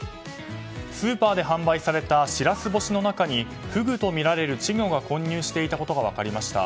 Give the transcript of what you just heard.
スーパーで販売されたシラス干しの中にフグとみられる稚魚が混入していたことが分かりました。